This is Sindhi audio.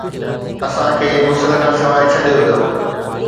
اسان کي غسل کان سواءِ ڇڏيو ويو.